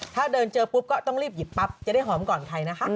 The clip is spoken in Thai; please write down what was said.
ถ้าเดินเจอปุ๊บก็ต้องรีบหยิบปั๊บจะได้หอมก่อนใครนะคะ